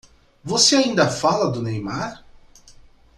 Você ainda fala do Neymar?